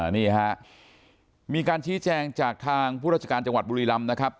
นี่ฮะมีการชี้แจงจากทางผู้ราชการจังหวัดบุรีรำนะครับ